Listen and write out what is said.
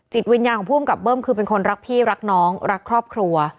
วิญญาณของภูมิกับเบิ้มคือเป็นคนรักพี่รักน้องรักครอบครัว